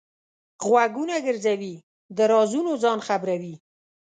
غوږونه ګرځوي؛ د رازونو ځان خبروي.